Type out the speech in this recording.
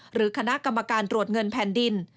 หรือคณะกรรมการตรวจเงินแผ่นดิน